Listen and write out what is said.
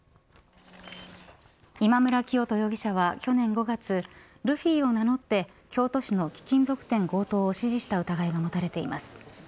今村磨人容疑者は去年５月ルフィを名乗って京都市の貴金属店強盗を指示した疑いが持たれています。